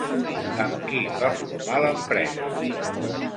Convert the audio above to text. Amb qui va forma l'empresa?